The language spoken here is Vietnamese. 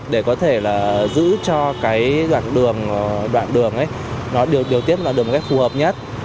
để có thể là giữ cho cái đoạn đường đoạn đường ấy nó điều tiết là đoạn đường phù hợp nhất